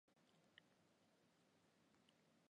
东西向的池上通穿越町内。